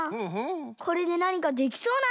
これでなにかできそうなんだけど。